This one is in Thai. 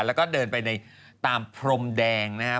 แล้วก็เดินไปในตามพรมแดงนะครับ